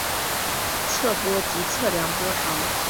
测波即测量波浪。